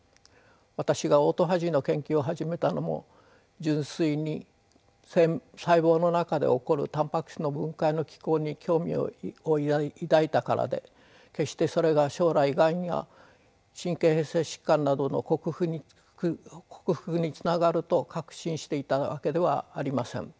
私がオートファジーの研究を始めたのも純粋に細胞の中で起こるタンパク質の分解の機構に興味を抱いたからで決してそれが将来がんや神経変性疾患などの克服につながると確信していたわけではありません。